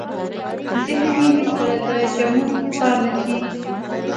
ذهن يې هېڅ کله د جمود ښکار نه شي.